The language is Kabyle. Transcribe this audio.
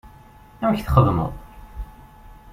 Amek txedmeḍ?